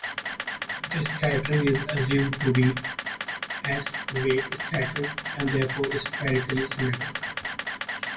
The scattering is assumed to be "s"-wave scattering, and therefore spherically symmetric.